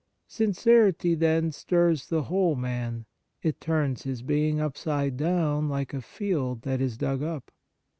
Sincerity, then, stirs the whole man ; it turns his being upside down like a field that is dug up.